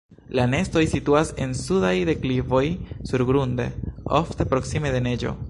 La nestoj situas en sudaj deklivoj surgrunde, ofte proksime de neĝo.